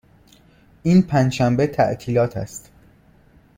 این پنج شنبه تعطیلات است.